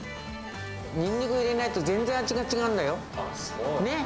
にんにく入れないと全然味が違うんだよ、ね？